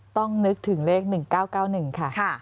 ต้องนึกถึงเลข๑๙๙๑ค่ะ